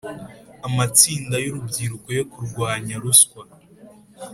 amatsinda y’urubyiruko yo kurwanya ruswa.